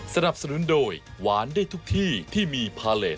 สนับสนุนโดยหวานได้ทุกที่ที่มีพาเลส